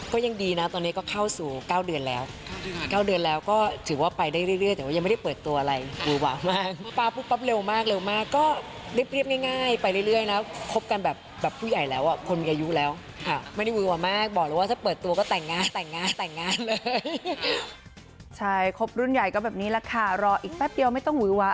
ตอนนี้ก็เข้าสู่๙เดือนแล้ว๙เดือนแล้วก็ถือว่าไปได้เรื่อยแต่ว่ายังไม่ได้เปิดตัวอะไรหวือหวามากเร็วมากเร็วมากก็เรียบง่ายไปเรื่อยนะคบกันแบบผู้ใหญ่แล้วอ่ะคนมีอายุแล้วไม่ได้หวัวมากบอกเลยว่าถ้าเปิดตัวก็แต่งงานแต่งงานแต่งงานเลยใช่ครบรุ่นใหญ่ก็แบบนี้แหละค่ะรออีกแป๊บเดียวไม่ต้องหุ้ยวะ